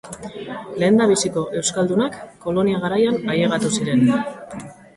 Lehendabiziko euskaldunak kolonia garaian ailegatu ziren.